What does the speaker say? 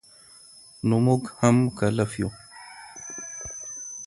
نو مونږ هم مکلف یو